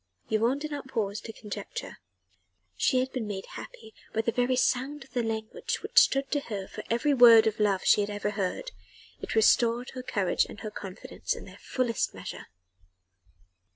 Yvonne did not pause to conjecture: she had been made happy by the very sound of the language which stood to her for every word of love she had ever heard: it restored her courage and her confidence in their fullest measure.